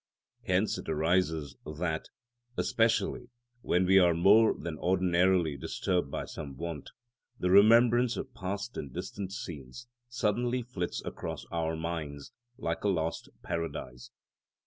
Hence it arises that, especially when we are more than ordinarily disturbed by some want, the remembrance of past and distant scenes suddenly flits across our minds like a lost paradise.